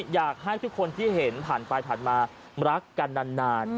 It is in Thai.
อยากให้ทุกคนที่เห็นผ่านไปผ่านมารักกันนาน